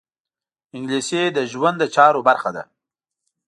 انګلیسي د ژوند د چارو برخه ده